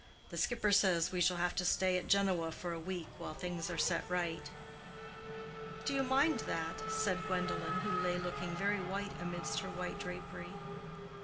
The skipper says we shall have to stay at Genoa for a week while things are set right." "Do you mind that?" said Gwendolen, who lay looking very white amidst her white drapery.